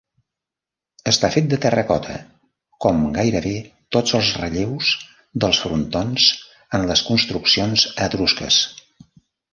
Està fet de terracota, com gairebé tots els relleus dels frontons en les construccions etrusques.